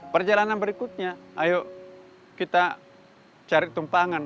perjalanan berikutnya ayo kita cari tumpangan